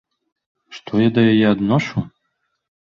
Што я да яе адношу?